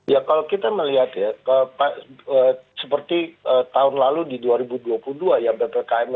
ya kalau kita melihat ya seperti tahun lalu di dua ribu dua puluh dua ya ppkm